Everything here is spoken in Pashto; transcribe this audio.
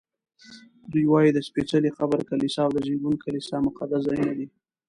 دوی وایي د سپېڅلي قبر کلیسا او د زېږون کلیسا مقدس ځایونه دي.